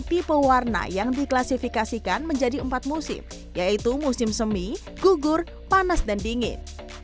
tipe warna yang diklasifikasikan menjadi empat musim yaitu musim semi gugur panas dan dingin